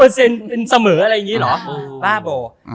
เป็นเสมออะไรอย่างนี้เหรอบ้าโบ